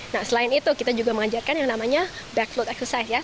nah selain itu kita juga mengajarkan yang namanya backlog exercise ya